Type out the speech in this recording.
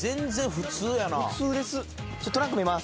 普通です。